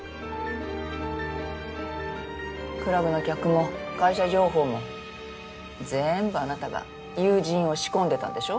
クラブの客も会社情報も全部あなたが友人を仕込んでたんでしょ？